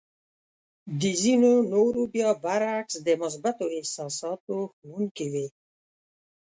د ځينو نورو بيا برعکس د مثبتو احساساتو ښودونکې وې.